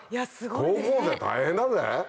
高校生大変だぜ？